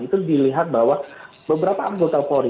itu dilihat bahwa beberapa anggota polri